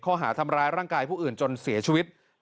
ข้อหาทำร้ายร่างกายผู้อื่นจนเสียชีวิต